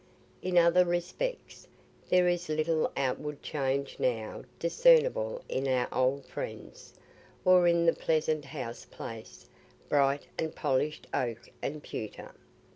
In other respects there is little outward change now discernible in our old friends, or in the pleasant house place, bright with polished oak and pewter.